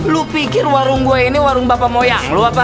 lu pikir warung gue ini warung bapak moyang lu apa